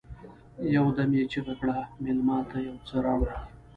يودم يې چيغه کړه: مېلمه ته يو څه راوړئ!